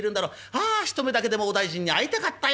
ああ一目だけでもお大尽に会いたかったよ。